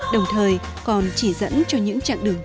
đồng thời còn chỉ dẫn cho những chặng đường